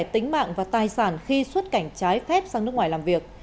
tính mạng và tài sản khi xuất cảnh trái phép sang nước ngoài làm việc